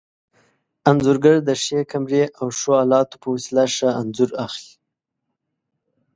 انځورګر د ښې کمرې او ښو الاتو په وسیله ښه انځور اخلي.